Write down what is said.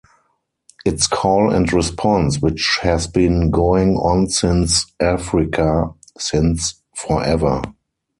It's call and response, which has been going on since Africa, since forever.